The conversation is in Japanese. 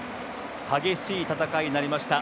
激しい戦いになりました